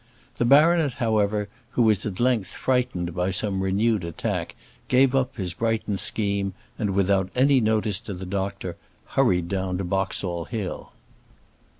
The baronet, however, who was at length frightened by some renewed attack, gave up his Brighton scheme, and, without any notice to the doctor, hurried down to Boxall Hill.